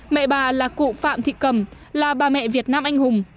mẹ bà là cụ phạm thị cầm là bà mẹ việt nam anh hùng